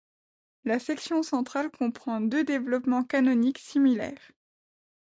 La section centrale comprend deux développements canoniques similaires.